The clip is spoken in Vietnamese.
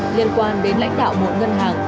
liên quan đến lãnh đạo một ngân hàng